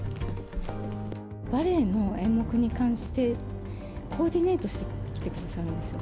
バレエの演目に関して、コーディネートしてきてくださるんですよ。